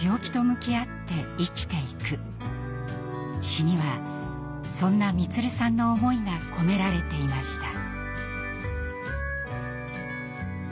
詩にはそんな満さんの思いが込められていました。